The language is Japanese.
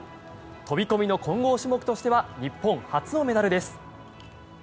飛込の混合種目としては日本初のメダルです。